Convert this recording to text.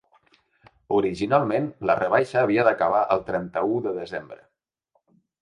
Originalment, la rebaixa havia d’acabar el trenta-u de desembre.